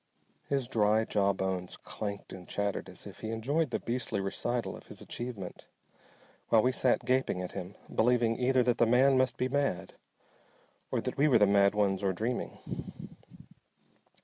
His dry jaw bones clanked and chattered as if he enjoyed the beastly recital of his achievement, while we sat gaping at him, believing either that the man must be mad, or that we were the mad ones, or dreaming.